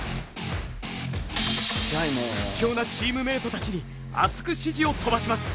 屈強なチームメートたちに熱く指示を飛ばします。